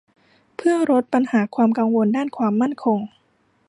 เพื่อลดปัญหาความกังวลด้านความมั่นคง